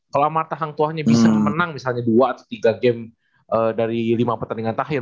kalau mata hangtuanya bisa menang misalnya dua atau tiga game dari lima pertandingan terakhir